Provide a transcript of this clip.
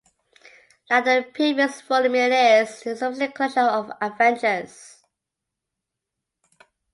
Like the previous volume it is an episodic collection of adventures.